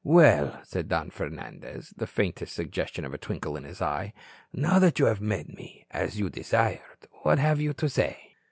"Well," said Don Fernandez, the faintest suggestion of a twinkle in his eye, "now that you have met me, as you desired, what have you to say?"